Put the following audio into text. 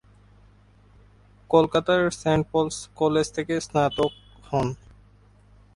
কলকাতার Saint Paul's College থেকে স্নাতক হন।